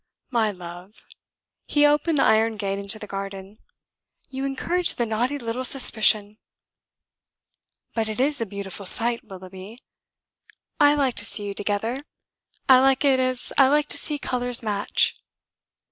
"My love," he opened the iron gate into the garden, "you encourage the naughty little suspicion." "But it is a beautiful sight, Willoughby. I like to see you together. I like it as I like to see colours match."